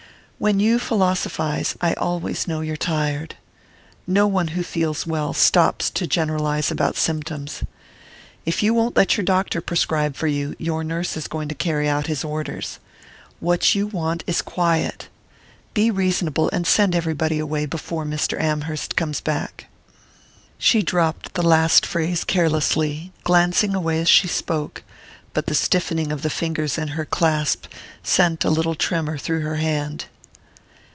"When you philosophize I always know you're tired. No one who feels well stops to generalize about symptoms. If you won't let your doctor prescribe for you, your nurse is going to carry out his orders. What you want is quiet. Be reasonable and send away everybody before Mr. Amherst comes back!" She dropped the last phrase carelessly, glancing away as she spoke; but the stiffening of the fingers in her clasp sent a little tremor through her hand.